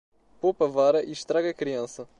Poupe a vara e estrague a criança.